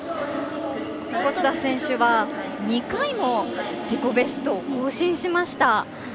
小須田選手は２回も自己ベストを更新しました。